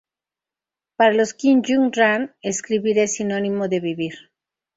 Para Jo Kyung Ran, escribir es sinónimo de vivir.